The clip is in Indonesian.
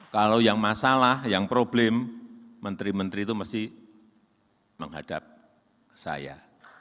kalau yang masalah yang problem menteri menteri itu mesti menghadap ke saya